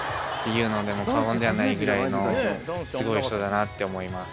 いうのでも過言ではないぐらいのすごい人だなって思います。